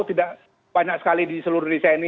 tidak banyak sekali di seluruh indonesia ini